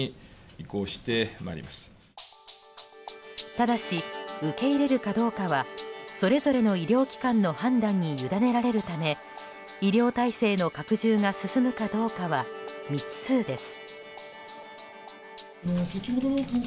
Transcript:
ただし、受け入れるかどうかはそれぞれの医療機関の判断に委ねられるため医療体制の拡充が進むかどうかは未知数です。